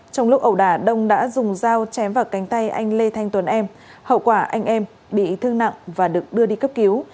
trong lúc ẩu đả đông đã dùng dao chém vào cánh tay anh lê thanh tuấn em hậu quả anh em bị thương nặng và được đưa đi cấp cứu